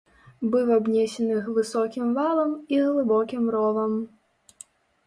Быў абнесены высокім валам і глыбокім ровам.